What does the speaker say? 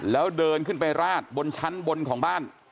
แล้วเดินขึ้นไปราดบนชั้นบนของบ้าน